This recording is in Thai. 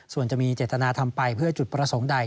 ส่วนจะมีเจตนาทำไปเพื่อจุดประสงค์ใด